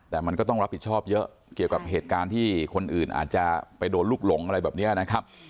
แต่มันก็ต้องรับผิดชอบเยอะเกี่ยวกับเหตุการณ์ที่คนอื่นอาจจะไปโดนลูกหลงอะไรแบบนี้นะครับ